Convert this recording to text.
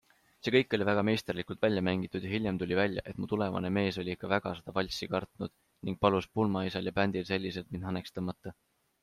See kõik oli väga meisterlikult välja mängitud ja hiljem tuli välja, et mu tulevane mees oli ikka väga seda valssi kartnud ning palus pulmaisal ja bändil selliselt mind haneks tõmmata.